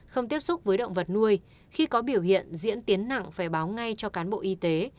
không tiếp xúc với động vật nuôi khi có biểu hiện diễn tiến nặng phải báo ngay cho cán bộ y tế